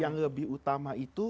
yang lebih utama itu